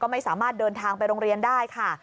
ไม่สามารถเดินทางไปโรงเรียนได้ค่ะ